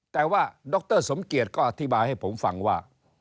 แต่ว่าดรสมเกียจก็อธิบายให้ผมฟังว่า